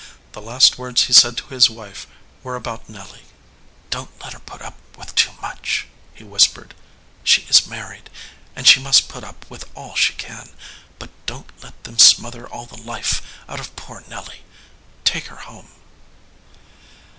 The last words he said to his wife were about Nelly. "Don t let her put up with too much," he whis pered. "She is married, and she must put up with all she can, but don t let them smother all the life out of poor Nelly. Take her home."